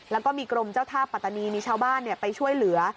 แล้วก็มีกรมเจ้าท่าปัตตานีมีชาวบ้านไปช่วยเหลือ